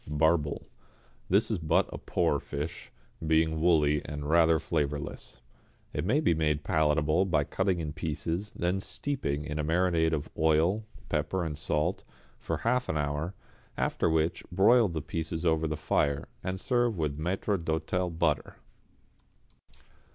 =Barbel.= This is but a poor fish, being woolly and rather flavourless. It may be made palatable by cutting in pieces, then steeping in a marinade of oil, pepper and salt, for half an hour, after which broil the pieces over the fire, and serve with maître d'hôtel butter.